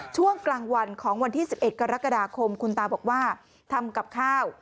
ช่วงกลางวันของวันที่๑๑กรกฎาคมคุณตาบอกว่าทำกับข้าว